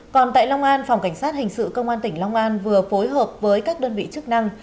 còn tại long an phòng cảnh sát hình sự công an tỉnh long an vừa phối hợp với các đơn vị chức năng